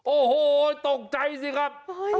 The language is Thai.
โอ้โหตกใจสิครับ